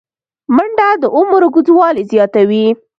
منډه د عمر اوږدوالی زیاتوي